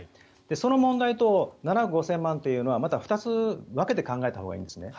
その問題と７億５０００万円というのは２つ分けた考えたほうがいいんですね。